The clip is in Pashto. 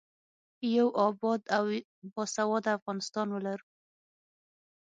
یو اباد او باسواده افغانستان ولرو.